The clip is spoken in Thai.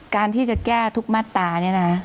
การที่จะแก้การทุกมาตรานั้นนะคะ